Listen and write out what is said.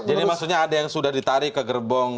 jadi maksudnya ada yang sudah ditarik ke gerbong